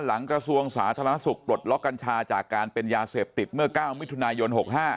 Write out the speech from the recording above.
กระทรวงสาธารณสุขปลดล็อกกัญชาจากการเป็นยาเสพติดเมื่อ๙มิถุนายน๖๕